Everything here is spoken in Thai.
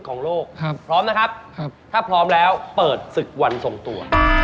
ของโลกพร้อมนะครับถ้าพร้อมแล้วเปิดศึกวันทรงตัว